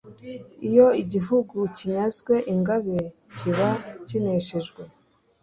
Iyo igihugu kinyazwe ingabe kiba kineshejwe,